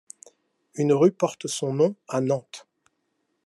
Une rue porte son nom à Nantes.